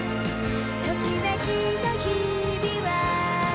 「ときめきの日々は」